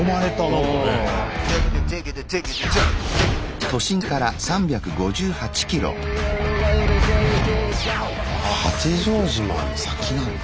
あ八丈島の先なんだ。